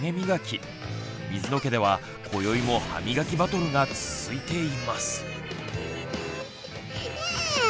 水野家では今宵も歯みがきバトルが続いています。